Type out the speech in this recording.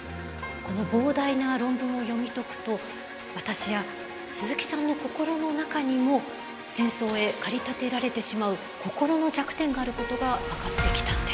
この膨大な論文を読み解くと私や鈴木さんの心の中にも戦争へ駆り立てられてしまう心の弱点があることが分かってきたんです。